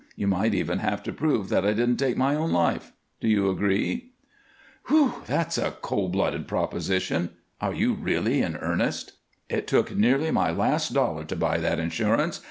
You might even have to prove that I didn't take my own life. Do you agree?" "Whew! That's a cold blooded proposition. Are you really in earnest?" "It took nearly my last dollar to buy that insurance.